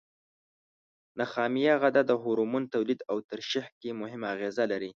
نخامیه غده د هورمون تولید او ترشح کې مهمه اغیزه لري.